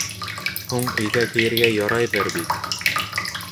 Һуң өйҙә кейергә ярайҙыр бит.